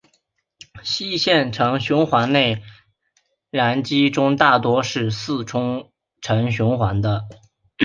四行程循环内燃机中大多都是四冲程循环的。